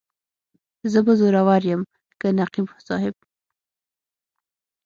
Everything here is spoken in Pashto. زه به زورور یم که نقیب صاحب.